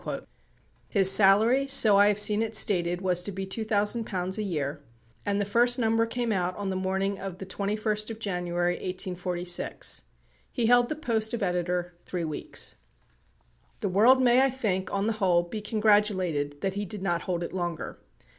His salary, so I have seen it stated, was to be £2,000 a year; and the first number came out on the morning of the 21st of January, 1846. He held the post of editor three weeks. The world may, I think, on the whole, be congratulated that he did not hold it longer.